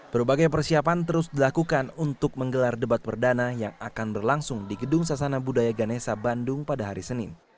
berbagai persiapan terus dilakukan untuk menggelar debat perdana yang akan berlangsung di gedung sasana budaya ganesa bandung pada hari senin